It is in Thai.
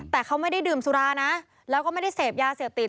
แต่เขาไม่ได้ดื่มสุรานะแล้วก็ไม่ได้เสพยาเสพติด